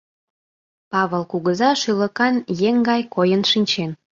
Павыл кугыза шӱлыкан еҥ гай койын шинчен.